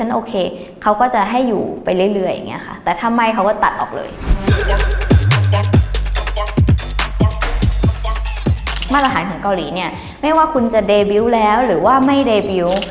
อาหารของเกาหลีเนี่ยไม่ว่าคุณจะเดบิวต์แล้วหรือว่าไม่เดบิวต์